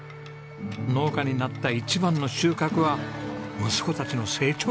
農家になった一番の収穫は息子たちの成長ですね。